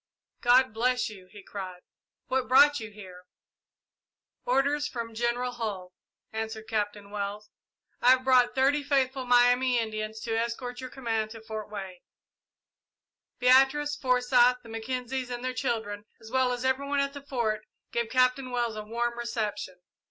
"God bless you," he cried; "what brought you here?" "Orders from General Hull," answered Captain Wells. "I have brought thirty faithful Miami Indians to escort your command to Fort Wayne." Beatrice, Forsyth, the Mackenzies and their children, as well as every one at the Fort, gave Captain Wells a warm reception.